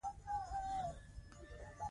شخصي مالي چارې په فرد پورې اړه لري.